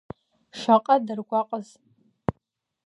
Шаҟа даргәаҟыз…